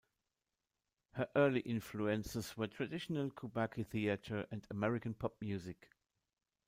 Her early influences were traditional Kabuki theater and American pop music.